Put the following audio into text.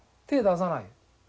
手出さない。